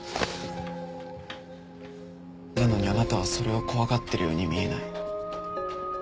なのにあなたはそれを怖がってるように見えない。